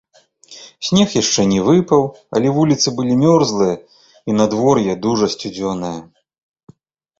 Снег яшчэ не выпаў, але вуліцы былі мёрзлыя і надвор'е дужа сцюдзёнае.